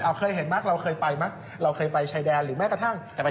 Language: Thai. เคยเห็นมั้ยเราเคยไปมั้ยเราเคยไปชายแดนหรือแม้กระทั่งจะไป